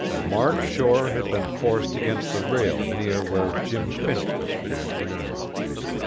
Mark Shore had been forced against the rail near where Jim Finch was pinned.